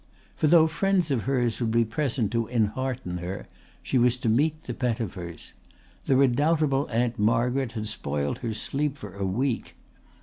For though friends of hers would be present to enhearten her she was to meet the Pettifers. The redoubtable Aunt Margaret had spoilt her sleep for a week.